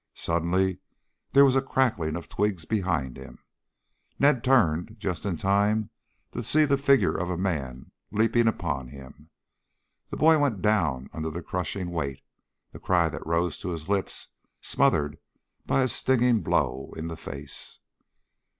Suddenly there was a crackling of twigs behind him. Ned turned just in time to see the figure of a man leaping upon him. The boy went down under the crushing weight, the cry that rose to his lips smothered by a stinging blow in the face.